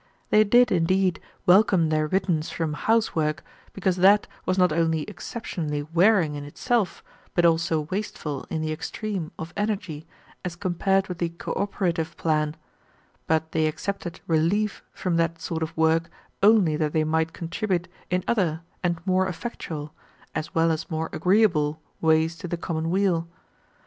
They did, indeed, welcome their riddance from housework, because that was not only exceptionally wearing in itself, but also wasteful, in the extreme, of energy, as compared with the cooperative plan; but they accepted relief from that sort of work only that they might contribute in other and more effectual, as well as more agreeable, ways to the common weal.